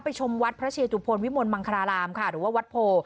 ไปชมวัดพระเชตุพลไว้มนต์มังคาราลามค่ะหรือว่าวัดโพ